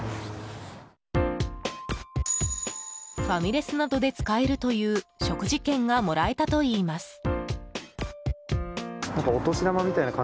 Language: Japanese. ファミレスなどで使えるという食事券がもらえたといいます。